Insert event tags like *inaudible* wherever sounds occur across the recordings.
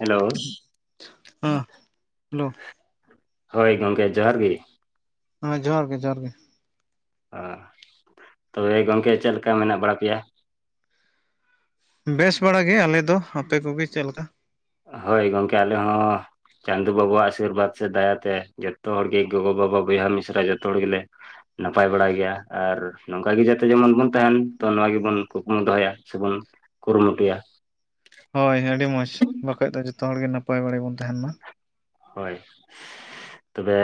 Hello ᱦᱮᱸ hello. ᱦᱳᱭ ᱜᱚᱢᱠᱮ ᱡᱚᱦᱟᱨ ᱜᱮ ᱾ ᱦᱮᱸ ᱡᱚᱦᱟᱨ ᱜᱮ ᱡᱚᱦᱟᱨ ᱜᱮ ᱾ ᱚ, ᱛᱚᱵᱮ ᱜᱚᱢᱠᱮ ᱪᱮᱫ ᱞᱮᱠᱟ ᱢᱮᱱᱟᱜ ᱵᱟᱲᱟ ᱯᱮᱭᱟ? ᱵᱮᱥ ᱵᱟᱲᱟ ᱜᱮ ᱟᱞᱮ ᱫᱚ ᱾ ᱟᱯᱮ ᱠᱚᱜᱮ ᱪᱮᱫ ᱞᱮᱠᱟ? ᱦᱳᱭ ᱜᱚᱝᱠᱮ ᱟᱞᱮ ᱦᱚᱸ ᱪᱟᱸᱫᱳ ᱵᱟᱵᱟᱣᱟᱜ ᱟᱥᱤᱨᱵᱟᱫᱽ ᱥᱮ ᱫᱟᱭᱟ ᱛᱮ ᱡᱚᱛᱚ ᱦᱚᱲ ᱜᱮ ᱜᱚᱜᱚ ᱵᱟᱵᱟ ᱵᱚᱭᱦᱟ ᱢᱤᱥᱨᱟ ᱡᱚᱛᱚ ᱦᱚᱲ ᱜᱮᱞᱮ ᱱᱟᱯᱟᱭ ᱵᱟᱲᱟ ᱜᱮᱭᱟ ᱟᱨ ᱱᱚᱝᱠᱟ ᱜᱮ ᱡᱟᱛᱮ ᱡᱮᱢᱚᱱ ᱵᱚᱱ ᱛᱟᱦᱮᱱ, ᱛᱚ ᱱᱚᱣᱟ ᱜᱮᱵᱚᱱ ᱠᱩᱠᱢᱩ ᱫᱚᱦᱚᱭᱟ ᱥᱮᱵᱚᱱ ᱠᱩᱨᱩᱢᱩᱴᱩᱭᱟ ᱾ ᱦᱳᱭ ᱟᱹᱰᱤ ᱢᱚᱡᱽ ᱵᱟᱠᱷᱚᱡ ᱫᱚ ᱡᱚᱛᱚ ᱦᱚᱲ ᱜᱮ ᱱᱟᱯᱟᱭ ᱵᱟᱲᱮ ᱵᱚᱱ ᱛᱟᱦᱮᱱ ᱢᱟ ᱾ ᱦᱳᱭ ᱛᱚᱵᱮ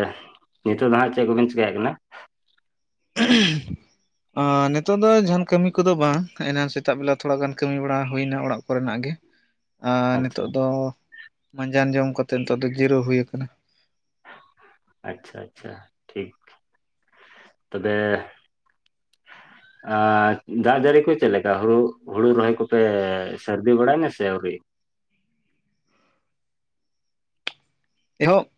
ᱱᱤᱛᱳᱜ ᱫᱚ ᱦᱟᱸᱜ ᱪᱮᱫ ᱠᱚᱵᱮᱱ ᱪᱮᱠᱟᱭᱮᱫ ᱠᱟᱱᱟ? *inaudible* ᱱᱤᱛᱚᱜ ᱫᱚ ᱡᱟᱦᱟᱱ ᱠᱟᱹᱢᱤ ᱠᱚᱫᱚ ᱵᱟᱝ ᱾ ᱮᱱᱟᱱ ᱥᱮᱛᱟᱜ ᱵᱮᱞᱟ ᱛᱷᱚᱲᱟ ᱜᱟᱱ ᱠᱟᱹᱢᱤ ᱵᱟᱲᱟ ᱦᱩᱭ ᱮᱱᱟ ᱚᱲᱟᱜ ᱠᱚᱨᱮᱱᱟᱜ ᱜᱮ ᱾ *inaudible* ᱟᱨ ᱟᱪᱪᱷᱟ ᱱᱤᱛᱚᱜ ᱫᱚ ᱢᱟᱸᱡᱟᱱ ᱡᱚᱢ ᱠᱟᱛᱮᱫ ᱱᱤᱛᱚᱜ ᱫᱚ ᱡᱤᱨᱟᱹᱣ ᱦᱩᱭ ᱟᱠᱟᱱᱟ ᱾ ᱟᱪᱪᱷᱟ ᱟᱪᱪᱷᱟ, ᱴᱷᱤᱠ ᱾ ᱛᱚᱵᱮ ᱟᱸᱻ, ᱫᱟᱜ ᱡᱟᱹᱲᱤ ᱠᱚ ᱪᱮᱫ ᱞᱮᱠᱟ ᱦᱩᱲᱩ ᱦᱩᱲᱩ ᱨᱚᱦᱚᱭ ᱠᱚᱯᱮ ᱥᱟᱹᱨᱫᱤ ᱵᱟᱲᱟᱭ ᱮᱱᱟ ᱥᱮ ᱟᱹᱣᱨᱤ? ᱮᱦᱚᱵ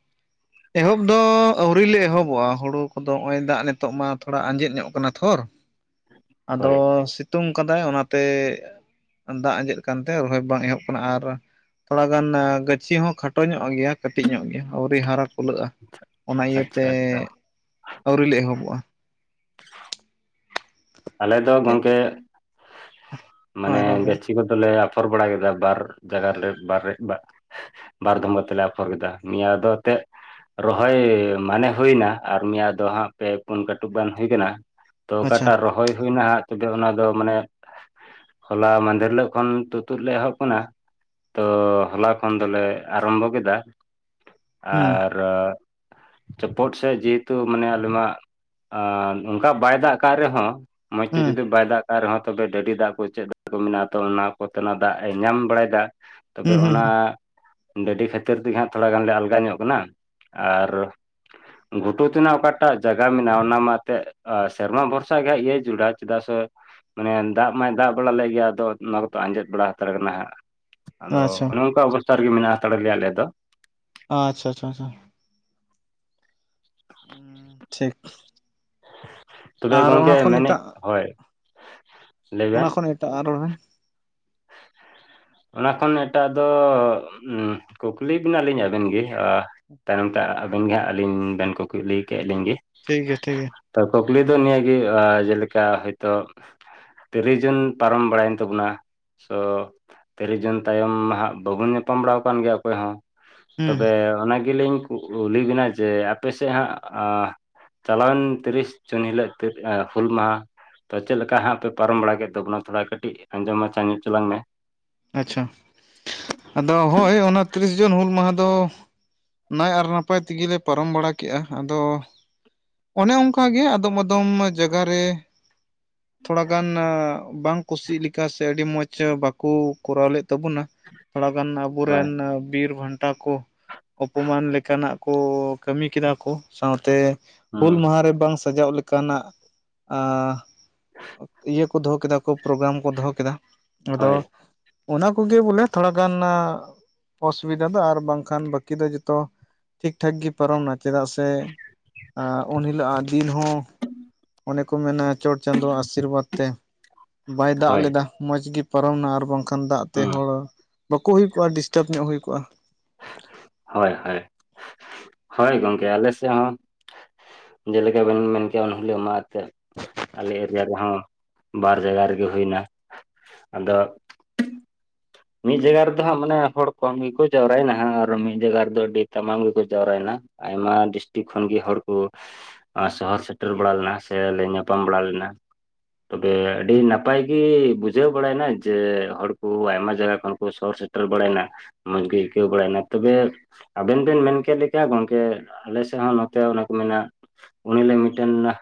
ᱮᱦᱚᱵ ᱫᱚ ᱟᱹᱣᱨᱤ ᱞᱮ ᱮᱦᱚᱵᱚᱜᱼᱟ ᱾ᱦᱩᱲᱩ ᱠᱚᱫᱚ ᱱᱚᱜ-ᱚᱭ ᱫᱟᱜ ᱱᱤᱛᱚᱜ ᱢᱟ ᱛᱷᱚᱲᱟ ᱟᱸᱡᱮᱫ ᱧᱚᱜ ᱟᱠᱟᱱᱟ ᱛᱷᱚᱨ ᱾ *inaudible* ᱟᱫᱚ ᱥᱤᱛᱩᱝ ᱠᱟᱫᱟᱭ ᱚᱱᱟ ᱛᱮ ᱫᱟᱜ ᱟᱸᱡᱮᱫ ᱟᱠᱟᱱ ᱛᱮ ᱨᱚᱦᱚᱭ ᱵᱟᱝ ᱮᱦᱚᱵ ᱟᱠᱟᱱᱟ ᱟᱨ ᱛᱷᱚᱲᱟ ᱜᱟᱱ ᱜᱟᱹᱪᱷᱤ ᱦᱚᱸ ᱠᱷᱟᱴᱚ ᱧᱚᱜ ᱜᱮᱭᱟ ᱠᱟᱹᱴᱤᱡ ᱧᱚᱜ ᱜᱮᱭᱟ ᱟᱹᱣᱨᱤ ᱦᱟᱨᱟ ᱠᱩᱞᱟᱹᱜᱼᱟ ᱾ ᱚᱱᱟ ᱟᱪᱪᱷᱟ ᱤᱭᱟᱹᱛᱮ ᱟᱪᱪᱷᱟ ᱟᱹᱣᱨᱤ ᱞᱮ ᱮᱦᱚᱵᱚᱜᱼᱟ ᱾ ᱟᱞᱮ ᱫᱚ ᱜᱚᱢᱠᱮ ᱢᱟᱱᱮ ᱦᱳᱭ ᱨᱚᱲ ᱵᱮᱱ ᱜᱟᱪᱷᱤ ᱠᱚᱫᱚ ᱞᱮ ᱟᱯᱷᱚᱨ ᱵᱟᱲᱟ ᱠᱮᱫᱟ ᱾ ᱵᱟᱨ ᱡᱟᱭᱜᱟ ᱨᱮ ᱵᱟᱨ ᱨᱮ ᱵᱟᱨ ᱵᱟᱨ ᱫᱷᱚᱢᱟ ᱛᱮᱞᱮ ᱟᱯᱷᱚᱨ ᱠᱮᱫᱟ ᱾ ᱱᱤᱭᱟᱹ ᱫᱷᱟᱣ ᱛᱮᱫ ᱨᱚᱦᱚᱭ ᱢᱟᱱᱮ ᱦᱩᱭ ᱮᱱᱟ ᱟᱨ ᱢᱤᱭᱟ ᱫᱚ ᱦᱟᱸᱜ ᱯᱮ ᱯᱩᱱ ᱠᱟᱹᱴᱩᱵ ᱜᱟᱱ ᱦᱩᱭ ᱠᱟᱱᱟ ᱾ ᱛᱚ ᱟᱪᱪᱷᱟ ᱚᱠᱟᱴᱟᱜ ᱨᱚᱦᱚᱭ ᱦᱩᱭ ᱮᱱᱟ ᱦᱟᱸᱜ, ᱛᱚᱵᱮ ᱚᱱᱟ ᱫᱚ ᱢᱟᱱᱮ ᱦᱚᱞᱟ ᱢᱟᱫᱮᱨ ᱦᱤᱞᱳᱜ ᱠᱷᱚᱱ ᱛᱩ-ᱛᱩᱫ ᱞᱮ ᱮᱦᱚᱵ ᱟᱠᱟᱱᱟ ᱾ ᱛᱚ ᱦᱚᱞᱟ ᱠᱷᱚᱱ ᱫᱚᱞᱮ ᱟᱨᱟᱢᱵᱚ ᱠᱮᱫᱟ ᱦᱩᱸ ᱟᱨ ᱪᱚᱯᱚᱫ ᱥᱮ ᱡᱮᱦᱮᱛᱩ ᱢᱟᱱᱮ ᱟᱞᱮ ᱢᱟ ᱟᱸ ᱚᱱᱠᱟ ᱵᱟᱭ ᱫᱟᱜ ᱟᱠᱟᱜ ᱨᱮᱦᱚᱸ ᱢᱚᱡᱽ ᱛᱮ ᱦᱩᱸ ᱡᱩᱫᱤ ᱵᱟᱭ ᱫᱟᱜ ᱠᱟᱜ ᱨᱮᱦᱚᱸ ᱛᱚᱵᱮ ᱰᱟᱹᱰᱤ ᱫᱟᱜ ᱠᱚ ᱪᱮᱫ ᱫᱟᱜ ᱠᱚ ᱢᱮᱱᱟᱜᱼᱟ ᱾ ᱛᱚ ᱚᱱᱟ ᱠᱚᱛᱮ ᱚᱱᱟ ᱫᱟᱜ ᱮ ᱧᱟᱢ ᱵᱟᱲᱟᱭ ᱮᱫᱟ ᱾ ᱛᱚᱵᱮ ᱦᱩᱸ ᱦᱩᱸ ᱚᱱᱟ ᱰᱟᱹᱰᱤ ᱠᱷᱟᱹᱛᱤᱨ ᱛᱮᱜᱮ ᱦᱟᱸᱜ ᱛᱷᱚᱲᱟ ᱜᱟᱱ ᱞᱮ ᱟᱞᱜᱟ ᱧᱚᱜ ᱠᱟᱱᱟ ᱾ ᱟᱨ ᱜᱷᱩᱴᱩ ᱛᱮᱱᱟᱜ ᱚᱠᱟᱴᱟᱜ ᱡᱟᱭᱜᱟ ᱢᱮᱱᱟᱜᱼᱟ, ᱚᱱᱟ ᱢᱟ ᱛᱮᱫ ᱥᱮᱨᱢᱟ ᱵᱷᱚᱨᱥᱟ ᱜᱮ ᱤᱭᱟᱹ *unintelligible* ᱪᱮᱫᱟᱜ ᱥᱮ ᱢᱟᱱᱮ ᱫᱟᱜ ᱢᱟᱭ ᱫᱟᱜ ᱵᱟᱲᱟ ᱞᱮᱫ ᱜᱮᱭᱟ ᱟᱫᱚ ᱚᱱᱟ ᱠᱚᱫᱚ ᱟᱸᱡᱮᱫ ᱵᱟᱲᱟ ᱦᱟᱛᱟᱲ ᱠᱟᱱᱟ ᱦᱟᱸᱜ ᱟᱫᱚ ᱟᱪᱪᱷᱟ ᱚᱱᱮ ᱚᱱᱠᱟ ᱚᱵᱚᱥᱛᱟ ᱨᱮᱜᱮ ᱢᱮᱱᱟᱜᱼᱟ ᱦᱟᱛᱟᱲ ᱞᱮᱭᱟ ᱟᱞᱮ ᱫᱚᱼᱼ ᱟᱪᱪᱷᱟ ᱟᱪᱪᱷᱟ ᱟᱪᱪᱷᱟ ᱟᱪᱪᱷᱟ ᱴᱷᱤᱠᱼᱼ ᱛᱚᱵᱮ ᱜᱚᱝᱠᱮ ᱠᱷᱚᱱ ᱢᱮᱱᱮᱫ ᱮᱴᱟᱜ ᱦᱳᱭ ᱞᱟᱹᱭ ᱵᱮᱱ ᱚᱱᱟ ᱠᱷᱚᱱ ᱮᱴᱟᱜᱟᱜ ᱨᱚᱲ ᱵᱮᱱᱼᱼ ᱚᱱᱟ ᱠᱷᱚᱱ ᱮᱴᱟᱜ-ᱟᱜ ᱫᱚ ᱠᱩᱠᱞᱤ ᱵᱮᱱᱟᱞᱤᱧ ᱟᱵᱮᱱ ᱜᱮᱼᱼ ᱛᱟᱭᱱᱚᱢ ᱛᱮ ᱟᱵᱮᱱ ᱜᱮ ᱦᱟᱸᱜ ᱟᱹᱞᱤᱧ ᱵᱮᱱ ᱠᱩᱠᱞᱤ ᱠᱮᱫ ᱞᱤᱧ ᱜᱮᱼᱼ ᱴᱷᱤᱠ ᱜᱮᱭᱟ ᱴᱷᱤᱠ ᱜᱮᱭᱟ ᱛᱚ ᱠᱩᱠᱞᱤ ᱫᱚ ᱱᱤᱭᱟᱹ ᱜᱮ ᱡᱮᱞᱮᱠᱟ ᱦᱚᱭᱛᱳ ᱛᱤᱨᱤᱥ ᱡᱩᱱ ᱯᱟᱨᱚᱢ ᱵᱟᱲᱟᱭᱮᱱ ᱛᱟᱵᱚᱱᱟ ᱥᱳ ᱛᱤᱨᱤᱥ ᱡᱩᱱ ᱛᱟᱭᱚᱢ ᱢᱟ ᱦᱟᱸᱜ ᱵᱟᱵᱚᱱ ᱧᱟᱯᱟᱢ ᱵᱟᱲᱟ ᱟᱠᱟᱱ ᱜᱮᱭᱟ ᱚᱠᱚᱭ ᱦᱚᱸ ᱦᱩᱸ ᱛᱚᱵᱮ ᱚᱱᱟ ᱜᱮᱞᱤᱧ ᱠᱩᱞᱤ ᱵᱮᱱᱟ ᱡᱮ ᱟᱯᱮ ᱥᱮᱫ ᱦᱟᱸᱜ ᱟᱼᱼ ᱪᱟᱞᱟᱣ ᱮᱱ ᱛᱤᱨᱤᱥ ᱡᱩᱱ ᱦᱤᱞᱳᱜ *unintelligible* ᱦᱩᱞ ᱢᱟᱦᱟ ᱛᱚ ᱪᱮᱫ ᱞᱮᱠᱟ ᱦᱟᱸᱜ ᱯᱮ ᱯᱟᱨᱚᱢ ᱵᱟᱲᱟ ᱠᱮᱫ ᱛᱟᱵᱚᱱᱟ ᱛᱷᱚᱲᱟ ᱠᱟᱹᱴᱤᱡ ᱟᱸᱡᱚᱢ ᱢᱟᱪᱷᱟ ᱧᱚᱜ ᱦᱚᱪᱚᱞᱟᱝ ᱢᱮ ᱟᱪᱪᱷᱟ ᱟᱫᱚ ᱦᱳᱭ ᱚᱱᱟ ᱛᱤᱨᱤᱥ ᱡᱩᱱ ᱦᱩᱞ ᱢᱟᱦᱟ ᱫᱚ ᱱᱟᱭ ᱟᱨ ᱱᱟᱯᱟᱭ ᱛᱮᱜᱮᱞᱮ ᱯᱟᱨᱚᱢ ᱵᱟᱲᱟᱠᱮᱜᱼᱟ ᱟᱫᱚᱼᱼ ᱚᱱᱮ ᱚᱱᱠᱟ ᱜᱮ ᱟᱫᱚᱢ ᱟᱫᱚᱢ ᱡᱟᱭᱜᱟ ᱨᱮᱼᱼ ᱛᱷᱚᱲᱟᱜᱟᱱ ᱵᱟᱝ ᱠᱩᱥᱤᱜ ᱞᱮᱠᱟ ᱥᱮ ᱟᱹᱰᱤ ᱢᱚᱸᱡᱽ ᱵᱟᱠᱚ ᱠᱚᱨᱟᱣ ᱞᱮᱫ ᱛᱟᱵᱚᱱᱟ ᱛᱷᱚᱲᱟᱜᱟᱱ ᱟᱵᱚ ᱦᱳᱭ ᱨᱮᱱ ᱵᱤᱨ ᱵᱟᱱᱴᱟ ᱠᱚᱼᱼ ᱚᱯᱚᱢᱟᱱ ᱞᱮᱠᱟᱱᱟᱜ ᱠᱚ ᱠᱟᱹᱢᱤ ᱠᱮᱫᱟ ᱠᱚ ᱥᱟᱶᱛᱮ ᱦᱩᱸ ᱦᱩᱞ ᱢᱟᱦᱟ ᱨᱮ ᱵᱟᱝ ᱥᱮ ᱥᱟᱡᱟᱣ ᱞᱮᱠᱟᱱᱟᱜ ᱟ᱾ ᱤᱭᱟᱹ ᱠᱚ ᱫᱚᱦᱚ ᱠᱮᱫᱟ ᱠᱚ ᱯᱨᱳᱜᱨᱟᱢ ᱠᱚ ᱫᱚᱦᱚ ᱠᱮᱫᱟ ᱟᱫᱚᱼᱼ ᱦᱳᱭ ᱚᱱᱟ ᱠᱚᱜᱮ ᱵᱚᱞᱮ ᱛᱷᱚᱲᱟ ᱜᱟᱱ ᱟᱜ ᱚᱥᱩᱵᱤᱫᱟ ᱫᱚ ᱟᱨ ᱵᱟᱝᱠᱷᱟᱱ ᱵᱟᱹᱠᱤ ᱫᱚ ᱡᱚᱛᱚ ᱴᱷᱤᱠ ᱴᱷᱟᱠ ᱜᱮ ᱯᱟᱨᱚᱢᱱᱟ ᱪᱮᱫᱟᱜ ᱥᱮᱼᱼ ᱟ, ᱩᱱ ᱦᱤᱞᱳᱜ-ᱟᱜ ᱫᱤᱱ ᱦᱚᱸᱼᱼ ᱠᱚ ᱢᱮᱱᱟ ᱪᱚᱴ ᱪᱟᱸᱫᱳ-ᱟᱜ ᱟᱥᱤᱨᱵᱟᱫᱽ ᱛᱮ ᱵᱟᱭ ᱫᱟᱜ ᱦᱳᱭ ᱞᱮᱫᱟ ᱢᱚᱡᱽ ᱜᱮ ᱯᱟᱨᱚᱢᱱᱟ ᱟᱨ ᱵᱟᱝ ᱠᱷᱟᱱ ᱫᱟᱜ ᱛᱮ ᱦᱩᱸ᱾ ᱦᱚᱲ ᱵᱟᱠᱚ ᱦᱩᱭ ᱠᱚᱜᱼᱟ ᱰᱤᱥᱴᱟᱵᱽ ᱧᱚᱜ ᱦᱩᱭ ᱠᱚᱜᱼᱟ ᱦᱳᱭ ᱦᱳᱭ, ᱦᱳᱭ ᱜᱚᱝᱠᱮ ᱟᱞᱮ ᱥᱮᱫ ᱦᱚᱸᱼᱼ ᱡᱮᱞᱮᱠᱟ ᱵᱮᱱ ᱢᱮᱱ ᱠᱮᱫ-ᱟ ᱩᱱᱤ ᱦᱤᱞᱳᱜ ᱢᱟ ᱛᱮ ᱟᱞᱮ ᱮᱨᱤᱭᱟ ᱨᱮᱦᱚᱸ ᱵᱟᱨ ᱡᱟᱭᱜᱟ ᱨᱮ ᱜᱮ ᱦᱩᱭᱱᱟ ᱟᱫᱚ ᱢᱤᱫ ᱡᱟᱭᱜᱟ ᱨᱮᱫᱚ ᱦᱟᱸᱜ ᱢᱟᱱᱮ ᱦᱚᱲ ᱠᱚᱢ ᱜᱮᱠᱚ ᱡᱟᱣᱨᱟᱭ ᱮᱱᱟ ᱟᱨ ᱢᱤᱫ ᱡᱟᱭᱜᱟ ᱨᱮᱫᱚ ᱟᱰᱤ ᱛᱟᱢᱟᱢ ᱜᱮ ᱠᱚ ᱡᱟᱣᱨᱟᱭᱱᱟ ᱟᱭᱢᱟ ᱰᱤᱥᱴᱤᱠ ᱠᱷᱚᱱ ᱜᱮ ᱦᱚᱲ ᱠᱚᱼᱼ ᱥᱚᱦᱚᱨ ᱥᱮᱴᱮᱨ ᱵᱟᱲᱟ ᱞᱮᱱᱟ ᱥᱮᱞᱮ ᱧᱟᱯᱟᱢ ᱵᱟᱲᱟ ᱞᱮᱱᱟ ᱛᱚᱵᱮ ᱟᱹᱰᱤ ᱱᱟᱯᱟᱭᱜᱤ ᱵᱩᱡᱷᱟᱹᱣ ᱵᱟᱲᱟᱭ ᱮᱱᱟ ᱡᱮ ᱦᱚᱲ ᱠᱚ ᱟᱭᱢᱟ ᱡᱟᱭᱜᱟ ᱠᱷᱚᱱ ᱠᱚ ᱥᱚᱦᱚᱨ ᱥᱮ ᱴᱮᱨ ᱵᱟᱲᱟᱭᱱᱟ ᱢᱚᱡᱽ ᱟᱹᱭᱠᱟᱹᱣ ᱵᱟᱲᱟᱭ ᱮᱱᱟ ᱛᱚᱵᱮ ᱟᱵᱮᱱ ᱵᱮᱱ ᱢᱮᱱ ᱠᱮᱫ ᱞᱮᱠᱟ ᱜᱚᱝᱠᱮ ᱟᱞᱮ ᱥᱮᱫ ᱦᱚᱸ ᱱᱚᱛᱮ ᱚᱱᱮ ᱠᱚ ᱢᱮᱱᱟ ᱩᱱᱦᱤᱞᱳᱜ ᱢᱤᱫᱴᱮᱱ ᱱᱟ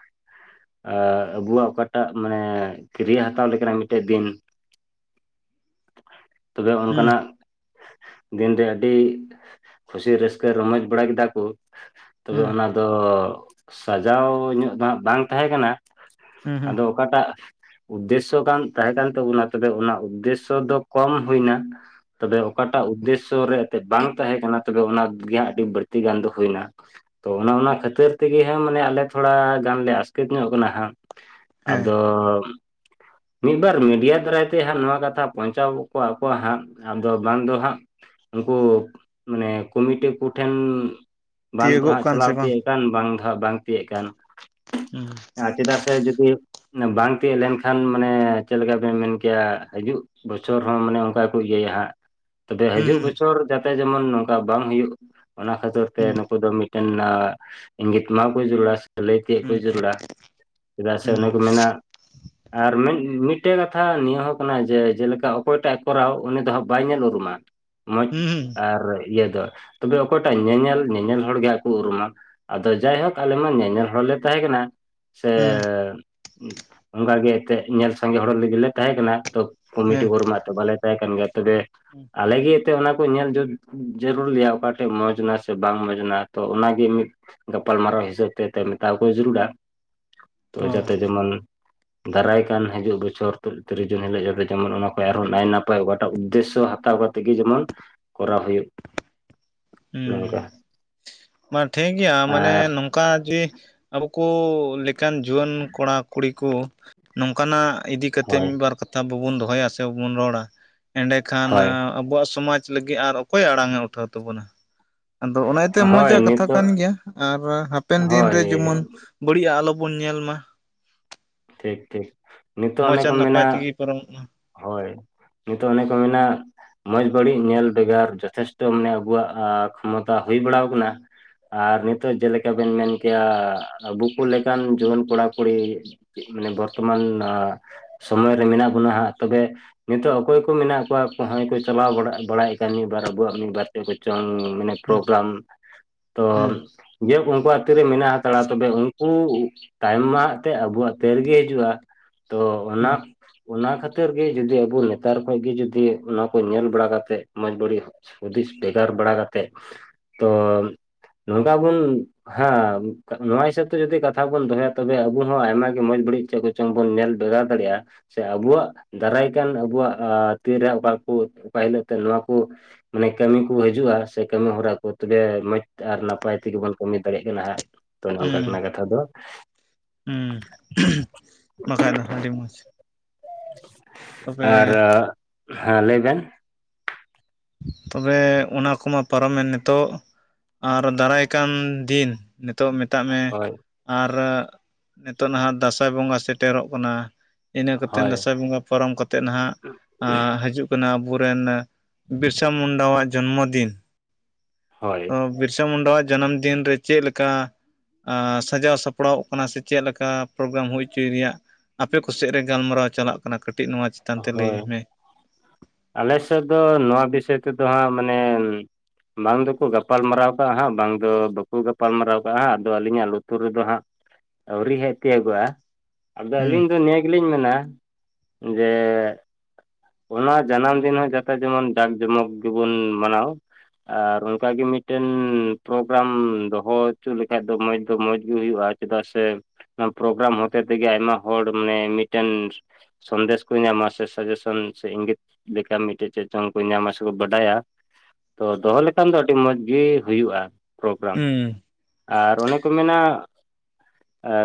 ᱮ ᱟᱵᱩᱣᱟᱜ ᱚᱠᱟᱴᱟᱜ ᱢᱟᱱᱮ ᱠᱟᱹᱨᱤᱭᱟ ᱦᱟᱛᱟᱣ ᱞᱮᱠᱟᱱᱟᱜ ᱢᱤᱫᱴᱮᱡ ᱫᱤᱱᱼᱼ ᱛᱚᱵᱮ ᱦᱩᱸ ᱚᱱᱠᱟᱱᱟᱜ ᱫᱤᱱᱨᱮ ᱟᱹᱰᱤ ᱠᱷᱩᱥᱤ ᱨᱟᱹᱥᱠᱟᱹ ᱨᱚᱢᱚᱡᱽ ᱵᱟᱲᱟ ᱠᱮᱫᱟ ᱠᱚ ᱛᱚᱵᱮ ᱦᱩᱸ ᱚᱱᱟ ᱛᱚ ᱥᱟᱡᱟᱣᱧᱚᱜ ᱫᱚ ᱦᱟᱸᱜ ᱵᱟᱝ ᱛᱟᱦᱮᱸ ᱠᱟᱱᱟ ᱦᱩᱸ ᱦᱩᱸ ᱟᱫᱚᱼᱼ ᱚᱠᱟᱴᱟᱜ ᱩᱫᱽᱫᱮᱥᱚ ᱠᱟᱱ ᱛᱟᱦᱮᱸ ᱠᱟᱱ ᱛᱟᱵᱚᱱᱟ ᱛᱚᱵᱮ ᱚᱱᱟ ᱩᱫᱽᱫᱮᱥᱚ ᱫᱚ ᱠᱚᱢ ᱦᱩᱭᱱᱟ ᱛᱚᱵᱮ ᱚᱠᱟᱴᱟᱜ ᱩᱫᱽᱫᱮᱥᱼᱼ ᱥᱚ ᱨᱮ ᱮᱱᱛᱮᱫ ᱵᱟᱝ ᱛᱟᱦᱮᱸ ᱠᱟᱱᱟ ᱛᱚᱵᱮ ᱚᱱᱟ ᱜᱮ ᱦᱟᱸᱜ ᱟᱹᱰᱤ ᱵᱟᱹᱲᱛᱤ ᱜᱟᱱ ᱫᱚ ᱦᱩᱭᱱᱟ ᱛᱚ ᱚᱱᱟ ᱚᱱᱟ ᱠᱷᱟᱹᱛᱤᱨ ᱛᱮᱜᱮ ᱦᱟᱸᱜ ᱢᱟᱱᱮ ᱟᱞᱮ ᱛᱷᱚᱲᱟ ᱜᱟᱱᱞᱮ ᱟᱥᱠᱮᱛ ᱧᱚᱜ ᱠᱟᱱᱟ ᱦᱟᱸᱜ ᱦᱮᱸ ᱟᱫᱚ ᱢᱤᱫ ᱵᱟᱨ ᱢᱤᱰᱤᱭᱟ ᱫᱟᱨᱟᱭ ᱛᱮ ᱦᱟᱸᱜ ᱱᱚᱣᱟ ᱠᱟᱛᱷᱟ ᱯᱳᱣᱪᱷᱟᱣ ᱠᱚᱣᱟ ᱠᱚ ᱦᱟᱸᱜ ᱟᱫᱚ ᱵᱟᱝ ᱫᱚ ᱦᱟᱸᱜ ᱩᱱᱠᱩ ᱢᱟᱱᱮ ᱠᱚᱢᱤᱴᱤ ᱠᱚᱴᱷᱮᱱ ᱵᱟᱝ ᱫᱚ ᱛᱤᱭᱳᱜᱚᱜ ᱦᱟᱸᱜ ᱠᱟᱱ ᱪᱟᱞᱟᱣ ᱥᱮ ᱵᱟᱝ ᱛᱤᱭᱳᱜ ᱠᱟᱱ ᱵᱟᱝ ᱫᱚ ᱦᱟᱸᱜ ᱵᱟᱝ ᱛᱤᱭᱳᱜ ᱠᱟᱱ ᱦᱩᱸ ᱟᱨ ᱪᱮᱫᱟᱜ ᱥᱮ ᱛᱟᱣ ᱡᱩᱫᱤᱭᱳ ᱵᱟᱝ ᱛᱤᱭᱟᱹᱜ ᱞᱮᱱᱠᱷᱟᱱ ᱢᱟᱱᱮ ᱪᱮᱫᱞᱮᱠᱟ ᱵᱮᱱ ᱢᱮᱱ ᱠᱮᱭᱟ ᱦᱤᱡᱩᱜ ᱵᱚᱪᱷᱚᱨᱮ ᱦᱚᱸ ᱢᱟᱱᱮ ᱚᱱᱠᱟ ᱠᱚ ᱤᱭᱟᱹᱭᱟ ᱦᱟᱸᱜ ᱛᱚᱵᱮ ᱦᱤᱡᱩᱜ ᱦᱩᱸ ᱵᱚᱪᱷᱚᱨ ᱡᱟᱛᱮ ᱡᱮᱢᱚᱱ ᱱᱚᱝᱠᱟ ᱵᱟᱝ ᱦᱳᱭᱜ ᱚᱱᱟ ᱠᱷᱟᱹᱛᱤᱨ ᱛᱮ ᱦᱩᱸ ᱱᱩᱠᱩ ᱫᱚ ᱢᱤᱫ ᱱᱟ ᱤᱧᱜᱮ ᱢᱟ ᱠᱩ ᱡᱩᱨᱩᱲᱟ ᱥᱮ ᱞᱟᱹᱭ ᱛᱮᱫ ᱠᱚ ᱦᱩᱸ ᱡᱩᱨᱩᱲᱟ ᱪᱮᱫᱟᱜ ᱥᱮ ᱦᱩᱸ ᱚᱱᱮᱠᱚ ᱢᱮᱱᱟ ᱟᱨ ᱢᱮᱱ ᱢᱤᱫᱴᱮ ᱠᱟᱛᱷᱟ ᱱᱤᱭᱟᱹ ᱦᱚᱸ ᱠᱟᱱᱟ ᱡᱮ ᱡᱮᱞᱮᱠᱟ ᱚᱠᱚᱭᱴᱟᱜ ᱮ ᱠᱚᱨᱟᱣ ᱩᱱᱤ ᱫᱚ ᱦᱟᱸᱜ ᱵᱟᱭ ᱧᱮᱞ ᱩᱨᱩᱢᱟ ᱢᱚᱡᱽ ᱦᱩᱸ ᱟᱨ ᱤᱭᱟᱹᱫᱚ ᱛᱚᱵᱮ ᱚᱠᱚᱭᱴᱟᱜ ᱧᱮᱧᱮᱞ ᱧᱮᱧᱮᱞ ᱦᱚᱲᱜᱮ ᱦᱟᱸᱜ ᱠᱚ ᱩᱨᱩᱢᱟ ᱟᱫᱚ ᱡᱟᱭᱦᱳᱠ ᱟᱞᱮᱢᱟ ᱧᱮᱧᱮᱞ ᱦᱚᱲᱞᱮ ᱛᱟᱦᱮᱸ ᱠᱟᱱᱟ ᱥᱮ ᱦᱩᱸ ᱚᱱᱠᱟᱜᱮ ᱛᱮᱜ ᱧᱮᱞ ᱥᱟᱸᱜᱮ ᱦᱚᱲ ᱞᱟᱹᱜᱤᱞᱮ ᱛᱟᱦᱮᱸ ᱠᱟᱱᱟ ᱛᱚ ᱠᱩᱢᱤᱴᱤ ᱦᱚᱲ ᱢᱟ ᱛᱮ ᱵᱟᱞᱮ ᱛᱟᱦᱮ ᱠᱟᱱ ᱜᱮ ᱛᱚᱵᱮ ᱦᱩᱸ ᱟᱞᱮᱜᱮ ᱮᱛᱮ ᱚᱱᱟ ᱠᱚ ᱧᱮᱞ ᱡᱩᱛ ᱡᱟᱹᱨᱩᱨ ᱞᱮᱭᱟ ᱚᱠᱟ ᱴᱷᱮᱡ ᱢᱚᱸᱡᱽ ᱮᱱᱟ ᱥᱮ ᱵᱟᱝ ᱢᱚᱸᱡᱽ ᱮᱱᱟ ᱛᱚ ᱚᱱᱟᱜᱮ ᱢᱤᱫ ᱜᱟᱯᱟᱞᱢ ᱢᱟᱨᱟᱣ ᱦᱤᱥᱟᱹᱵ ᱛᱮ ᱛᱚ ᱢᱮᱛᱟᱣ ᱠᱚ ᱡᱟᱹᱨᱩᱲᱟ ᱛᱚ ᱚ ᱡᱟᱛᱮ ᱡᱮᱢᱚᱱ ᱫᱟᱨᱟᱭ ᱠᱟᱱ ᱦᱤᱡᱩᱜ ᱵᱚᱪᱷᱚᱨ ᱛᱤᱨᱤᱥ ᱡᱩᱱ ᱦᱤᱞᱳᱜ ᱡᱟᱛᱮ ᱡᱮᱢᱚᱱ ᱚᱱᱟ ᱠᱷᱚᱱ ᱟᱨᱦᱚᱸ ᱱᱟᱭ ᱱᱟᱯᱟᱭ ᱚᱠᱟᱴᱟᱜ ᱩᱫᱽᱫᱮᱥᱚ ᱛᱟᱞᱟ ᱛᱤᱜᱤ ᱡᱮᱢᱚᱱ ᱠᱚᱨᱟᱣ ᱦᱩᱭᱩᱜ ᱦᱩᱸ ᱱᱚᱝᱠᱟ ᱢᱟ ᱴᱷᱤᱠ ᱜᱮᱭᱟ ᱢᱟᱱᱮ ᱟᱨ ᱱᱚᱝᱠᱟ ᱜᱮ ᱟᱵᱚ ᱠᱚ ᱞᱮᱠᱟᱱ ᱡᱩᱣᱟᱹᱱ ᱠᱚᱲᱟ ᱠᱩᱲᱤ ᱠᱚ ᱱᱚᱝᱠᱟᱱᱟᱜ ᱤᱫᱤ ᱠᱟᱛᱮᱫ ᱦᱳᱭ ᱢᱤᱫ ᱵᱟᱨ ᱠᱟᱛᱷᱟ ᱵᱟᱵᱚᱱ ᱫᱚᱦᱚᱭᱟ ᱥᱮ ᱵᱟᱵᱚᱱ ᱨᱚᱲᱟ ᱮᱸᱰᱮᱠᱷᱟᱱ ᱦᱳᱭ ᱟᱵᱚᱣᱟᱜ ᱥᱚᱢᱟᱡᱽ ᱞᱟᱹᱜᱤᱫ ᱟᱨ ᱚᱠᱚᱭ ᱟᱲᱟᱝ ᱮ ᱩᱴᱷᱟᱹᱣ ᱛᱟᱵᱚᱱᱟ ᱟᱫᱚ ᱚᱱᱟ ᱛᱮ ᱢᱚᱡᱽ ᱦᱳᱭ ᱠᱟᱛᱷᱟ ᱱᱤᱛᱚᱜ ᱠᱟᱱ ᱜᱮᱭᱟ ᱟᱨ ᱦᱟᱯᱮᱱ ᱫᱤᱱᱨᱮ ᱦᱳᱭ ᱡᱮᱢᱚᱱ ᱵᱟᱹᱲᱤᱡ ᱟᱜ ᱟᱞᱚᱵᱚᱱ ᱧᱮᱞ ᱢᱟ ᱴᱷᱤᱠ ᱴᱷᱤᱠ ᱱᱤᱛᱚᱜ ᱚᱱᱮᱠᱚ ᱢᱮᱱᱟ ᱯᱟᱨᱢᱚᱜ ᱢᱟ ᱦᱳᱭ ᱱᱤᱛᱚᱜ ᱚᱱᱮ ᱠᱚ ᱢᱮᱱᱟ ᱢᱚᱸᱡᱽ ᱵᱟᱹᱲᱤᱡ ᱧᱮᱞ ᱵᱷᱮᱜᱟᱨ ᱡᱚᱛᱷᱮᱥᱴᱚ ᱢᱟᱱᱮ ᱟᱵᱚᱣᱟᱜ ᱠᱷᱚᱢᱚᱛᱟ ᱦᱩᱭ ᱵᱟᱲᱟᱣ ᱟᱠᱟᱱᱟ ᱟᱨ ᱱᱤᱛᱚᱜ ᱡᱮᱞᱮᱠᱟ ᱵᱮᱱ ᱢᱮᱱ ᱠᱮᱜ-ᱟ ᱟᱵᱩᱠᱚ ᱞᱮᱠᱟᱱ ᱡᱩᱣᱟᱹᱱ ᱠᱚᱲᱟ ᱠᱩᱲᱤ ᱢᱟᱱᱮ ᱵᱚᱨᱛᱚᱢᱟᱱ ᱟᱸ ᱥᱚᱢᱚᱭ ᱨᱮ ᱢᱮᱱᱟᱜ ᱵᱚᱱᱟ ᱦᱟᱸᱜ ᱛᱚᱵᱮ ᱱᱤᱛᱚᱜ ᱚᱠᱚᱭ ᱠᱚ ᱢᱮᱱᱟᱜ ᱠᱚᱣᱟ ᱦᱚᱸᱚᱭ ᱠᱚ ᱪᱟᱞᱟᱣ ᱵᱟᱲᱟ ᱵᱟᱲᱟᱭ ᱠᱟᱱ ᱢᱤᱫ ᱵᱟᱨ ᱟᱵᱚᱣᱟᱜ ᱢᱤᱫ ᱵᱟᱨ ᱪᱮ ᱠᱚᱪᱚᱝ ᱢᱟᱱᱮ ᱦᱩᱸ ᱯᱨᱳᱜᱽᱨᱟᱢ ᱛᱚ ᱦᱩᱸ ᱡᱮᱦᱳᱠ ᱩᱝᱠᱩᱣᱟᱜ ᱛᱤᱨᱮᱜ ᱢᱮᱱᱟᱜ ᱟᱠᱟᱫᱟ ᱛᱚᱵᱮ ᱩᱝᱠᱩ ᱛᱟᱭᱚᱢ ᱢᱟᱦᱟᱜ ᱛᱮ ᱟᱵᱚᱣᱟᱜ ᱛᱤᱨᱮᱜᱮ ᱦᱤᱡᱩᱜᱼᱟ ᱛᱚ ᱚᱱᱟ ᱦᱩᱸ ᱚᱱᱟ ᱠᱷᱟᱹᱛᱤᱨ ᱛᱤᱨ ᱜᱤ ᱡᱩᱫᱤ ᱟᱵᱚ ᱱᱮᱛᱟᱨ ᱠᱷᱚᱡ ᱜᱮ ᱡᱩᱫᱤ ᱚᱱᱟ ᱠᱚ ᱧᱮᱞ ᱵᱟᱲᱟ ᱠᱟᱛᱮᱫ ᱢᱚᱸᱡᱽ ᱵᱟᱹᱲᱤᱡ ᱦᱩᱫᱤᱥ ᱵᱷᱮᱜᱟᱨ ᱵᱟᱲᱟ ᱠᱟᱛᱮᱫ ᱛᱚ ᱱᱚᱝᱠᱟ ᱵᱚᱱ ᱦᱟᱸ ᱱᱚᱣᱟ ᱦᱤᱥᱟᱹᱵᱽ ᱛᱮ ᱡᱩᱫᱤ ᱠᱟᱛᱷᱟ ᱵᱚᱱ ᱫᱚᱦᱚᱭᱟ ᱛᱚᱵᱮ ᱟᱵᱚ ᱦᱚᱸ ᱟᱭᱢᱟ ᱜᱮ ᱢᱚᱸᱡᱽ ᱵᱟᱹᱲᱤᱡ ᱪᱮᱫ ᱠᱚᱪᱚᱝ ᱵᱚᱱ ᱧᱮᱞ ᱵᱷᱮᱜᱟᱨ ᱫᱟᱲᱮᱭᱟᱜᱼᱟ ᱥᱮ ᱟᱵᱚᱣᱟᱜ ᱫᱟᱨᱟᱭ ᱠᱟᱱ ᱟᱵᱚᱣᱟᱜ ᱟᱸ ᱛᱤᱨᱮ ᱚᱠᱟ ᱠᱚ ᱚᱠᱟ ᱦᱤᱞᱳᱜ ᱛᱮ ᱱᱚᱣᱟ ᱠᱚ ᱢᱟᱱᱮ ᱠᱟᱹᱢᱤ ᱠᱚ ᱦᱤᱡᱩᱜᱼᱟ ᱥᱮ ᱠᱟᱹᱢᱤ ᱦᱚᱨᱟ ᱠᱚ ᱛᱚᱵᱮ ᱢᱚᱸᱡᱽ ᱛᱮ ᱟᱨ ᱱᱟᱯᱟᱭ ᱛᱮᱜᱮ ᱵᱚᱱ ᱠᱟᱹᱢᱤ ᱫᱟᱲᱮᱜ ᱠᱟᱱᱟ ᱦᱟᱸᱜ ᱛᱚ ᱱᱚᱝᱠᱟ ᱩᱸ ᱠᱟᱱᱟ ᱠᱟᱛᱷᱟ ᱫᱚ ᱩᱸ ᱵᱟᱠᱷᱟᱡ ᱫᱚ ᱟᱹᱰᱤ ᱢᱚᱸᱡᱽ ᱟᱨ ᱛᱚᱵᱮ ᱦᱮᱸ ᱞᱟᱹᱭ ᱵᱮᱱ ᱛᱚᱵᱮ ᱚᱱᱟ ᱠᱚᱢᱟ ᱯᱟᱨᱚᱢᱮᱱ ᱱᱤᱛᱚᱜ ᱟᱨ ᱫᱟᱨᱟᱭ ᱠᱟᱱ ᱫᱤᱱ ᱱᱤᱛᱚᱜ ᱢᱮᱛᱟᱜ ᱢᱮ ᱦᱳᱭ ᱟᱨ ᱱᱤᱛᱚᱜ ᱱᱟᱦᱟᱜ ᱫᱟᱸᱥᱟᱭ ᱵᱚᱸᱜᱟ ᱥᱮᱴᱮᱨᱚᱜ ᱠᱟᱱᱟ ᱤᱱᱟᱹ ᱠᱚᱛᱮᱱ ᱦᱳᱭ ᱫᱟᱸᱥᱟᱭ ᱵᱚᱸᱜᱟ ᱯᱟᱨᱚᱢ ᱠᱟᱛᱮᱫ ᱱᱟᱦᱟᱜ ᱦᱤᱡᱩᱜ ᱠᱟᱱᱟ ᱟᱵᱚ ᱨᱮᱱᱼᱼ ᱵᱤᱨᱥᱟ ᱢᱩᱱᱰᱟᱣᱟᱜ ᱡᱚᱱᱢᱚ ᱫᱤᱱ ᱦᱚᱭ ᱛᱚ ᱵᱤᱨᱥᱟ ᱢᱩᱱᱰᱟᱣᱟᱜ ᱡᱟᱱᱟᱢ ᱫᱤᱱ ᱨᱮ ᱪᱮᱫ ᱞᱮᱠᱟᱼᱼ ᱟᱸ ᱥᱟᱡᱟᱣ ᱥᱟᱯᱲᱟᱣᱚᱜ ᱠᱟᱱᱟ ᱥᱮ ᱪᱮᱫ ᱞᱮᱠᱟ ᱯᱨᱳᱜᱨᱟᱢ ᱦᱩᱭ ᱦᱚᱪᱚᱭ ᱨᱤᱭᱟᱜ ᱟᱯᱮ ᱠᱚᱥᱮᱜ ᱨᱮ ᱜᱟᱞᱢᱟᱨᱟᱣ ᱪᱟᱞᱟᱜ ᱠᱟᱱᱟ ᱠᱟᱹᱴᱤᱡ ᱱᱚᱣᱟ ᱪᱮᱛᱟᱱ ᱛᱮ ᱦᱳᱭ ᱞᱟᱹᱭ ᱢᱮ ᱟᱞᱮ ᱥᱮᱫ ᱫᱚ ᱱᱚᱣᱟ ᱵᱤᱥᱚᱭ ᱛᱮᱫᱚ ᱦᱟᱸᱜ ᱢᱟᱱᱮ ᱵᱟᱝ ᱫᱚᱠᱚ ᱜᱟᱯᱟᱞ ᱢᱟᱨᱟᱣ ᱠᱟᱜ-ᱟ ᱦᱟᱸᱜ ᱵᱟᱝ ᱫᱚ ᱵᱟᱠᱚ ᱜᱟᱯᱟᱞ ᱢᱟᱨᱟᱣ ᱠᱟᱜ-ᱟ ᱦᱟᱸᱜ ᱟᱫᱚ ᱟᱹᱞᱤᱧᱟᱜ ᱞᱩᱛᱩᱨ ᱨᱮ ᱫᱚ ᱦᱟᱸᱜ ᱟᱹᱣᱨᱤ ᱦᱮᱡ ᱛᱤᱭᱟᱜᱚᱜ-ᱟ ᱟᱫᱚ ᱦᱩᱸ ᱟᱹᱞᱤᱧ ᱫᱚ ᱱᱤᱭᱟᱹ ᱜᱮᱞᱤᱧ ᱢᱮᱱᱟ ᱡᱮ, ᱚᱱᱟ ᱡᱟᱱᱟᱢ ᱫᱤᱱ ᱦᱚᱸ ᱡᱟᱛᱮ ᱡᱮᱢᱚᱱ ᱰᱟᱠ ᱡᱚᱢᱚᱠ ᱜᱮ ᱵᱚᱱ ᱢᱟᱱᱟᱣ ᱟᱨ ᱚᱱᱠᱟ ᱜᱮ ᱢᱤᱫᱴᱮᱱ ᱯᱨᱳᱜᱨᱟᱢ ᱫᱚᱦᱚ ᱦᱚᱪᱚ ᱞᱮᱠᱷᱟᱡ ᱫᱚ ᱢᱚᱸᱡᱽ ᱫᱚ ᱢᱚᱸᱡᱽᱜᱤ ᱦᱩᱭᱩᱜ-ᱟ ᱪᱮᱫᱟᱜ ᱥᱮ ᱚᱱᱟ ᱯᱨᱚᱜᱨᱟᱢ ᱦᱚᱛᱮ ᱛᱮ ᱜᱮ ᱟᱭᱢᱟ ᱦᱚᱲ ᱢᱟᱱᱮ ᱢᱤᱫᱴᱮᱱ ᱥᱚᱱᱫᱮᱥ ᱠᱚ ᱧᱟᱢᱟ ᱥᱮ ᱥᱟᱡᱮᱥᱚᱱᱼᱼ ᱥᱮ ᱤᱸᱜᱮᱛ ᱞᱮᱠᱟ ᱢᱤᱫᱴᱮᱡ ᱪᱮᱫ ᱪᱚᱝ ᱠᱚ ᱧᱟᱢᱟ ᱥᱮ ᱠᱚ ᱵᱟᱰᱟᱭᱟ ᱛᱚ ᱫᱚᱦᱚ ᱞᱮᱠᱷᱟᱱ ᱫᱚ ᱟᱹᱰᱤ ᱢᱚᱡᱽ ᱜᱤ ᱦᱩᱭᱩᱜ-ᱟ ᱩᱸ ᱟᱨ ᱚᱱᱮ ᱠᱚ ᱢᱮᱱᱟ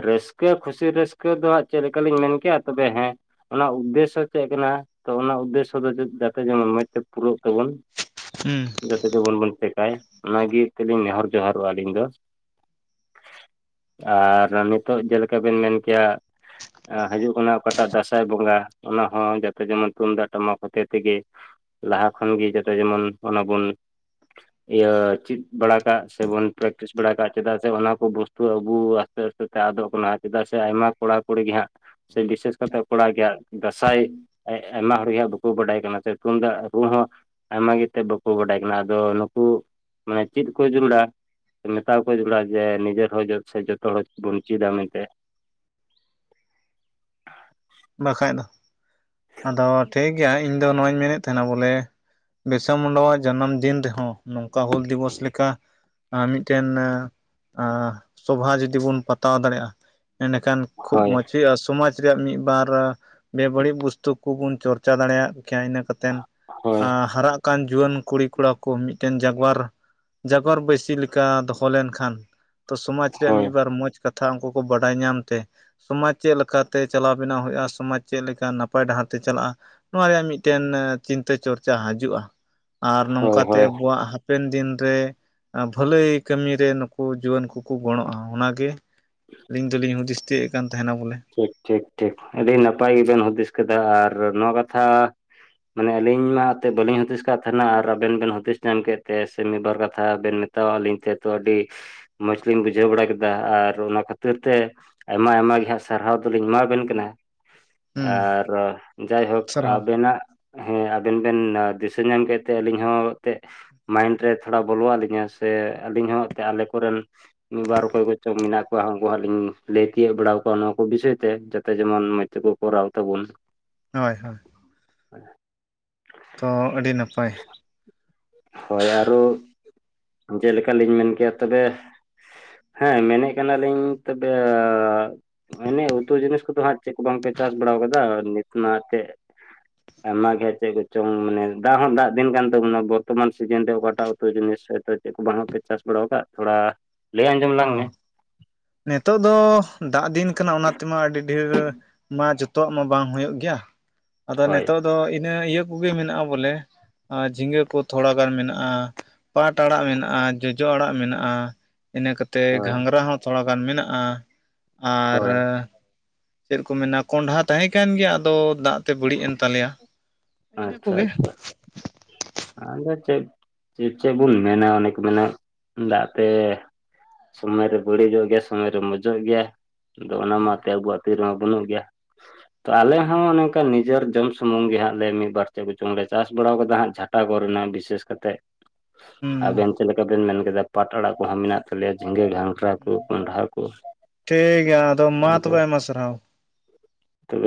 ᱨᱟᱹᱥᱠᱟᱹ ᱠᱷᱩᱥᱤ ᱨᱟᱹᱥᱠᱟᱹ ᱫᱚ ᱦᱟᱸᱜ ᱪᱮᱫ ᱞᱮᱠᱟ ᱞᱤᱧ ᱢᱮᱱ ᱠᱮᱭᱟ ᱛᱚᱵᱮ ᱦᱮᱸ ᱚᱱᱟ ᱩᱫᱽᱫᱮᱥᱥᱚ ᱪᱮᱜ ᱠᱟᱱᱟ? ᱛᱚ ᱚᱱᱟ ᱩᱫᱽᱫᱮᱥᱥᱚ ᱫᱚ ᱡᱚ ᱡᱟᱛᱮ ᱡᱮᱢᱚᱱ ᱢᱚᱸᱡᱽ ᱛᱮ ᱯᱩᱨᱟᱹᱜ ᱛᱟᱵᱚᱱ ᱦᱩᱸ ᱡᱚᱛᱚ *unintelligible* ᱜᱮ ᱵᱚᱱ ᱪᱮᱠᱟᱭ ᱚᱱᱟ ᱜᱤ ᱞᱤᱧ ᱱᱮᱦᱚᱨ ᱡᱚᱦᱟᱨᱚᱜ-ᱟ ᱟᱹᱞᱤᱧ ᱫᱚᱼᱼ ᱟᱨ ᱱᱤᱛᱚᱜ ᱡᱮᱞᱮᱠᱟ ᱵᱤᱱ ᱢᱮᱱ ᱠᱮᱭᱟ ᱟ ᱦᱟᱡᱩᱜ ᱠᱟᱱᱟ ᱚᱠᱟᱴᱟᱜ ᱫᱟᱥᱟᱭ ᱵᱚᱸᱜᱟ ᱚᱱᱟ ᱦᱚᱸ ᱡᱟᱛᱮ ᱡᱮᱢᱚᱱ ᱛᱩᱢᱫᱟᱜ ᱴᱟᱢᱟᱠ ᱦᱚᱛᱮᱫ ᱛᱮ ᱜᱮᱼᱼ ᱞᱟᱦᱟ ᱠᱷᱚᱱ ᱜᱮ ᱡᱚᱛᱚ ᱡᱮᱢᱚᱱ ᱚᱱᱟ ᱵᱚᱱᱼᱼ ᱤᱭᱟᱹ ᱪᱤᱫ ᱵᱟᱲᱟ ᱠᱟᱜ ᱥᱮ ᱵᱚᱱ ᱯᱨᱮᱠᱴᱤᱥ ᱵᱮᱲᱟ ᱠᱟᱜ ᱪᱮᱫᱟᱜ ᱥᱮ ᱚᱱᱟ ᱠᱚ ᱵᱚᱥᱛᱩ ᱟᱵᱩ ᱟᱥᱛᱮ ᱟᱥᱛᱮ ᱛᱮ ᱟᱫᱚᱜ ᱠᱟᱱᱟ ᱪᱮᱫᱟᱜ ᱥᱮ ᱟᱭᱢᱟ ᱠᱚᱲᱟ ᱠᱩᱲᱤ ᱜᱮ ᱦᱟᱸᱜ ᱥᱮ ᱵᱤᱥᱮᱥ ᱠᱟᱛᱮ ᱠᱚᱲᱟ ᱜᱮ ᱦᱟᱸᱜ ᱫᱟᱸᱥᱟᱭᱼ ᱟᱭᱢᱟ ᱦᱚᱲ ᱜᱤ ᱦᱟᱸᱜ ᱵᱟᱠᱩ ᱵᱟᱰᱟᱭ ᱠᱟᱱᱟ ᱥᱮ ᱛᱩᱢᱫᱟᱜ ᱨᱩ ᱦᱚᱸᱼᱼ ᱟᱭᱢᱟ ᱜᱮᱛᱮ ᱵᱟᱠᱚ ᱵᱟᱰᱟᱭ ᱠᱟᱱᱟ ᱟᱫᱚ ᱱᱩᱠᱩ ᱢᱟᱱᱮ ᱪᱤᱫ ᱟᱠᱚ ᱡᱟᱹᱨᱩᱲᱟ ᱢᱮᱛᱟᱣᱟ ᱠᱚᱣᱟ ᱡᱚᱲᱟ ᱡᱮ ᱱᱤᱡᱮᱨ ᱦᱚᱸ ᱥᱮ ᱡᱚᱛᱚ ᱦᱚᱲ ᱵᱚᱱ ᱪᱤᱫ ᱟ ᱢᱮᱱ ᱛᱮ ᱵᱟᱠᱷᱟᱡ ᱫᱚ ᱟᱫᱚ ᱴᱷᱤᱠ ᱜᱮᱭᱟ ᱤᱧ ᱫᱚ ᱱᱚᱣᱟᱧ ᱢᱮᱱᱮᱫ ᱛᱟᱦᱮᱱᱟ ᱵᱚᱞᱮᱼᱼ ᱵᱤᱨᱥᱟ ᱢᱩᱱᱰᱟᱣᱟᱜ ᱡᱟᱱᱟᱢ ᱫᱤᱱ ᱨᱮ ᱦᱚᱸ ᱱᱚᱝᱠᱟ ᱦᱩᱞ ᱫᱤᱵᱚᱥ ᱞᱮᱠᱟᱼᱼ ᱢᱤᱫᱴᱮᱱ ᱟ ᱥᱚᱵᱷᱟ ᱡᱩᱫᱤ ᱵᱚᱱ ᱯᱟᱛᱟᱣ ᱫᱟᱲᱮᱜ-ᱟ ᱮᱸᱰᱮ ᱠᱷᱟᱱᱼᱼ ᱠᱷᱩᱵ ᱦᱳᱭ ᱢᱚᱸᱡᱽ ᱦᱩᱭᱩᱜ-ᱟ ᱥᱚᱢᱟᱡᱽ ᱨᱮᱭᱟᱜ ᱢᱤᱫ ᱵᱟᱨᱼᱼ ᱟ ᱵᱮᱵᱟᱹᱲᱤᱡ ᱵᱚᱥᱛᱩ ᱠᱩᱵᱚᱱ ᱪᱚᱨᱪᱟ ᱫᱟᱲᱮᱭᱟᱜ ᱠᱮᱭᱟ ᱤᱱᱟᱹ ᱠᱟᱛᱮᱱ ᱦᱳᱭ ᱟ ᱦᱟᱨᱟᱜ ᱠᱟᱱ ᱡᱩᱣᱟᱹᱱ ᱠᱩᱲᱤ ᱠᱚᱲᱟ ᱠᱚ ᱢᱤᱫᱴᱮᱱ ᱡᱟᱜᱽᱣᱟᱨ ᱡᱟᱜᱽᱣᱟᱨ ᱵᱟᱹᱭᱥᱤ ᱞᱮᱠᱟ ᱫᱚᱦᱚ ᱞᱮᱱ ᱠᱷᱟᱱ ᱛᱚ ᱥᱚᱢᱟᱡᱽ ᱨᱮᱱ ᱦᱳᱭ ᱢᱤᱫ ᱵᱟᱨ ᱢᱚᱸᱡᱽ ᱠᱟᱛᱷᱟ ᱩᱝᱠᱩ ᱠᱚ ᱵᱟᱰᱟᱭ ᱧᱟᱢ ᱛᱮ ᱥᱚᱢᱟᱡᱽ ᱪᱮᱜ ᱞᱮᱠᱟ ᱛᱮ ᱪᱟᱞᱟᱣ ᱵᱮᱱᱟᱣ ᱦᱳᱭᱳᱜ-ᱟ ᱥᱚᱢᱟᱡᱽ ᱪᱮᱜ ᱞᱮᱠᱟ ᱱᱟᱯᱟᱭ ᱰᱟᱦᱟᱨ ᱛᱮ ᱪᱟᱞᱟᱜ-ᱟ ᱱᱚᱣᱟ ᱨᱮᱭᱟᱜ ᱢᱤᱫᱴᱮᱱ ᱪᱤᱱᱛᱟᱹ ᱪᱚᱨᱪᱟ ᱦᱟᱡᱩᱜ-ᱟ ᱟᱨ ᱦᱳᱭ ᱱᱚᱝᱠᱟ ᱛᱮ ᱦᱳᱭ ᱟᱵᱳᱣᱟᱜ ᱦᱟ ᱦᱟᱯᱮᱱ ᱫᱤᱱ ᱨᱮ ᱵᱷᱟᱹᱞᱟᱹᱭ ᱠᱟᱹᱢᱤ ᱨᱮ ᱱᱩᱠᱩ ᱡᱩᱣᱟᱹᱱ ᱠᱩᱠᱩ ᱜᱚᱸᱲᱚᱸᱜ-ᱟ ᱚᱱᱟ ᱜᱮ᱾ ᱟᱹᱞᱤᱧ ᱫᱚᱞᱤᱧ ᱦᱩᱫᱤᱥ ᱛᱤᱭᱟᱹᱜ ᱮᱜ ᱠᱟᱱ ᱛᱟᱦᱮᱱᱟ ᱵᱚᱞᱮ᱾ ᱴᱷᱤᱠ ᱴᱷᱤᱠ ᱴᱷᱤᱠ ᱟᱹᱰᱤ ᱱᱟᱯᱟᱭ ᱜᱮ ᱵᱮᱱ ᱦᱩᱫᱤᱥ ᱠᱮᱫᱟ ᱟᱨ ᱱᱚᱣᱟ ᱠᱟᱛᱷᱟ ᱢᱟᱱᱮ ᱟᱹᱞᱤᱧ ᱢᱟ ᱟᱛᱮᱫ ᱵᱟᱹᱞᱤᱧ ᱦᱩᱫᱤᱥ ᱠᱟᱫ ᱛᱟᱦᱮᱱᱟ ᱟᱨ ᱟᱵᱮᱱ ᱵᱮᱱ ᱦᱩᱫᱤᱥ ᱧᱟᱢ ᱠᱮᱫ ᱛᱮ ᱥᱮ ᱢᱤᱫ ᱵᱟᱨ ᱠᱟᱛᱷᱟ ᱵᱮᱱ ᱢᱮ ᱛᱚ ᱟᱹᱞᱤᱧ ᱴᱷᱮᱫ ᱫᱚ ᱟᱹᱰᱤᱥ ᱢᱚᱸᱡᱽ ᱞᱤᱧ ᱵᱩᱡᱷᱟᱹᱣ ᱵᱟᱲᱟ ᱠᱮᱫᱟ ᱟᱨ ᱚᱱᱟ ᱠᱷᱟᱹᱛᱤᱨ ᱛᱮ ᱟᱭᱢᱟ ᱟᱭᱢᱟ ᱜᱮ ᱦᱟᱸᱜ ᱥᱟ ᱥᱟᱨᱦᱟᱣ ᱫᱚ ᱞᱤᱧ ᱮᱢᱟᱵᱮᱱ ᱠᱟᱱᱟ ᱦᱩᱸ ᱟᱨ ᱡᱟᱭᱦᱳᱠ ᱥᱟᱨᱦᱟᱣ ᱟᱵᱮᱱᱟᱜ ᱦᱮᱸ ᱟᱵᱮᱱ ᱵᱮᱱ ᱫᱤᱥᱟᱹ ᱧᱟᱢ ᱠᱮᱫ ᱛᱮ ᱟᱹᱞᱤᱧ ᱦᱚᱸ ᱛᱮᱜ ᱢᱟᱭᱤᱱᱰ ᱨᱮ ᱛᱷᱚᱲᱟ ᱵᱚᱞᱚ ᱟᱹᱞᱤᱧᱟ ᱥᱮ ᱟᱹᱞᱤᱧ ᱦᱚᱸ ᱮᱱᱛᱮ ᱟᱞᱮ ᱠᱚᱨᱮᱱ ᱢᱤᱫ ᱵᱟᱨ ᱚᱠᱚᱭ ᱠᱚᱪᱚᱝ ᱢᱮᱱᱟᱜ ᱠᱚᱣᱟ ᱩᱱᱠᱩ ᱦᱟᱸᱜ ᱞᱤ ᱞᱟᱹᱭ ᱛᱤᱭᱳᱜ ᱵᱟᱲᱟ ᱠᱚᱣᱟ ᱵᱤᱥᱚᱭ ᱛᱮ ᱡᱟᱛᱮ ᱡᱮᱢᱚᱱ ᱢᱚᱡᱽ ᱛᱮ ᱠᱚ ᱠᱚᱨᱟᱣ ᱛᱟᱵᱚᱱ ᱦᱳᱭ ᱦᱳᱭ ᱛᱚ ᱟᱹᱰᱤ ᱱᱟᱯᱟᱭ ᱦᱳᱭ ᱟᱨᱚ ᱡᱮᱞᱮᱠᱟ ᱞᱤᱧ ᱢᱮᱱ ᱠᱮᱭᱟ ᱛᱚᱵᱮ ᱦᱮᱸ ᱢᱮᱱᱮᱫ ᱠᱟᱱᱟᱞᱤᱧ ᱛᱚᱵᱮ ᱚᱱᱮ ᱩᱛᱩ ᱡᱤᱱᱤᱥ ᱠᱚᱫᱚ ᱦᱟᱸᱜ ᱪᱮᱫ ᱠᱚ ᱵᱟᱝᱯᱮ ᱪᱟᱥ ᱵᱟᱲᱟ ᱟᱠᱟᱫᱟ ᱱᱤᱛ ᱢᱟ ᱪᱮᱫ ᱟᱭᱢᱟ ᱜᱮ ᱪᱮᱫ ᱠᱚᱪᱚᱝ ᱢᱟᱱᱮ ᱫᱟᱜ ᱦᱚᱸ ᱫᱟᱜ ᱫᱤᱱ ᱠᱟᱱ ᱛᱟᱵᱚᱱᱟ ᱵᱚᱨᱛᱚᱢᱟᱱ ᱥᱤᱡᱤᱱ ᱨᱮ ᱚᱠᱟᱴᱟᱜ ᱩᱛᱩ ᱡᱤᱱᱤᱥ ᱦᱚ ᱪᱮᱫ ᱠᱚ ᱵᱟᱝᱯᱮ ᱪᱟᱥ ᱵᱟᱲᱟ ᱟᱠᱟᱫ ᱛᱷᱚᱲᱟ ᱞᱟᱹᱭ ᱟᱸᱡᱚᱢ ᱞᱟᱝ ᱢᱮ ᱚ ᱱᱤᱛᱚᱜ ᱫᱚ ᱫᱟᱜ ᱫᱤᱱ ᱠᱟᱱᱟ ᱚᱱᱟ ᱛᱮᱢᱟ ᱟᱹᱰᱤ ᱰᱷᱮᱨ ᱢᱟ ᱡᱚᱛ ᱛᱚᱜ ᱦᱚ ᱵᱟᱝ ᱦᱩᱭᱩᱜ ᱜᱮᱭᱟ ᱟᱫᱚ ᱦᱳᱭ ᱱᱤᱛᱚᱜ ᱫᱚ ᱤᱱᱟᱹ ᱤᱭᱟᱹ ᱠᱚᱜᱮ ᱢᱮᱱᱟᱜᱼᱟ ᱵᱚᱞᱮ ᱟᱨ ᱡᱷᱤᱸᱜᱟᱹ ᱠᱚ ᱛᱷᱚᱲᱟᱜᱟᱱ ᱢᱮᱱᱟᱜᱼᱟ ᱯᱟᱴ ᱟᱲᱟᱜ ᱢᱮᱱᱟᱜᱼᱟ ᱡᱚᱡᱚ ᱟᱲᱟᱜ ᱢᱮᱱᱟᱜᱼᱟ ᱤᱱᱟ ᱠᱟᱛᱮ ᱦᱳᱭ ᱜᱷᱟᱸᱝᱨᱟ ᱦᱚᱸ ᱛᱷᱚᱲᱟᱜᱟᱱ ᱢᱮᱱᱟᱜᱼᱟ ᱟᱨ ᱦᱳᱭ ᱪᱮᱫ ᱠᱚ ᱢᱮᱱᱟ ᱠᱚᱸᱰᱷᱟ ᱛᱟᱦᱮᱸ ᱠᱟᱱ ᱜᱮᱭᱟ ᱟᱫᱚ ᱫᱟᱜ ᱛᱮ ᱵᱟᱹᱲᱤᱡ ᱮᱱ ᱛᱟᱞᱮᱭᱟ ᱤᱱᱟᱹ ᱟᱪᱪᱷᱟ ᱠᱚᱜᱮ ᱟᱪᱪᱷᱟ ᱟᱫᱚ ᱪᱮᱫ ᱪᱮᱫ ᱵᱚᱱ ᱢᱮᱱᱟ ᱚᱱᱮ ᱠᱚ ᱢᱮᱱ ᱮᱜ ᱫᱟᱜ ᱛᱮ ᱥᱚᱢᱚᱭᱨᱮ ᱵᱟᱹᱲᱤᱡᱚᱜ ᱜᱮᱭᱟ ᱥᱚᱢᱚᱭᱨᱮ ᱢᱚᱡᱚᱜ ᱜᱮᱭᱟ ᱟᱫᱚ ᱚᱱᱟ ᱢᱟᱛ ᱦᱩᱸ ᱟᱹᱵᱩ ᱟᱜ ᱛᱤ ᱨᱮᱜᱮ ᱵᱟᱹᱱᱩᱜ ᱜᱮᱭᱟ ᱛᱚ ᱟᱞᱮ ᱦᱚᱸ ᱚᱱᱮ ᱚ ᱱᱤᱡᱮᱨ ᱡᱚᱢ ᱥᱩᱢᱩᱝ ᱜᱮ ᱦᱟᱸᱜ ᱞᱮ ᱢᱤᱫ ᱵᱟᱨ ᱪᱮᱫ ᱠᱚᱪᱚᱝ ᱞᱮ ᱪᱟᱥ ᱵᱟᱲ ᱠᱟᱫᱟ ᱦᱟᱸᱜ ᱡᱷᱟᱴᱟ ᱜᱚᱫ ᱨᱮᱱᱟᱜ ᱵᱤᱥᱮᱥ ᱠᱟᱛᱮ ᱦᱩᱸ ᱟᱵᱮᱱ ᱪᱮᱫᱞᱮᱠᱟ ᱵᱮᱱ ᱢᱮᱱ ᱠᱮᱫᱟ ᱯᱟᱴ ᱟᱲᱟᱜ ᱠᱚᱦᱚᱸ ᱢᱮᱱᱟᱜ ᱛᱟᱞᱮᱭᱟ ᱡᱷᱤᱸᱜᱟᱹ ᱜᱷᱟᱝ ᱴᱷᱤᱠ ᱜᱮᱭᱟ ᱟᱫᱚ ᱢᱟ ᱛᱚᱵᱮ ᱟᱭᱢᱟ ᱥᱟᱨᱦᱟᱣ ᱛᱚᱵᱮ